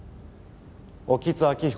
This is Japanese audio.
興津晃彦